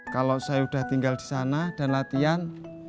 kalau saya sudah tinggal di sana dan latihan